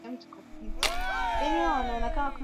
aa timu ya tanzania ya ama timu ilikuwa ikifungwa